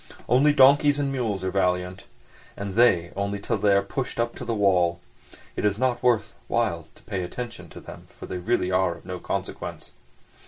Only donkeys and mules are valiant, and they only till they are pushed up to the wall. It is not worth while to pay attention to them for they really are of no consequence.